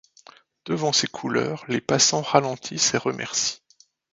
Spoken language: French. Devant ses couleurs, les passants ralentissent et remercient.